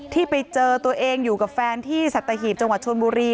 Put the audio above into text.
ที่ไปเจอตัวเองอยู่กับแฟนที่สัตหีบจังหวัดชนบุรี